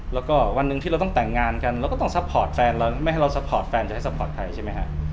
แล้วก็วันหนึ่งที่เราต้องแต่งงานกันเราก็ต้องซัพพอร์ตแฟนเราไม่ให้เราซัพพอร์ตแฟนจะให้ซัพพอร์ตใครใช่ไหมฮะ